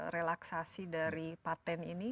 relaksasi dari patent ini